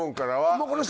もうこの人！